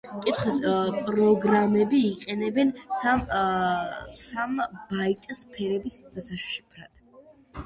კითხვის პროგრამები იყენებენ სამ ბაიტს ფერების დასაშიფრად.